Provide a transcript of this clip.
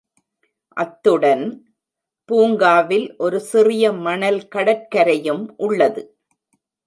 அத்துடன், பூங்காவில் ஒரு சிறிய மணல் கடற்கரையும் உள்ளது.